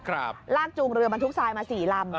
ลากจูงเรือบรรทุกทรายมาสี่ลำ